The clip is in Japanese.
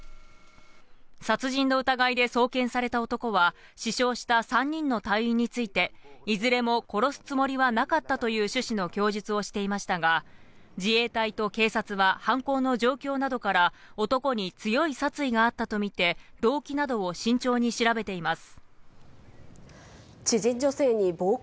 殺人の疑いで送検された男は、死傷した３人の隊員について、いずれも殺すつもりはなかったという趣旨の供述をしていましたが、自衛隊と警察は犯行の状況などから、男に強い殺意があったと見て、動機などを慎重に調べています。